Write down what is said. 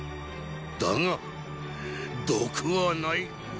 だが毒はない。